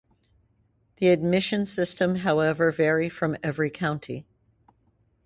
The admission system however vary from every country.